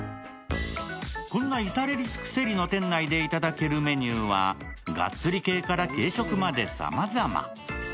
こんな至れり尽くせりの店内でいただけるメニューは、ガッツリ系から軽食までさまざま。